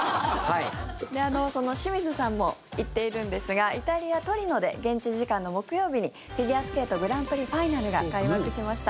その清水さんも行っているんですがイタリア・トリノで現地時間の木曜日にフィギュアスケートグランプリファイナルが開幕しました。